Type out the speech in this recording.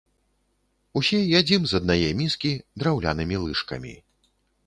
Усе ядзім з аднае міскі драўлянымі лыжкамі.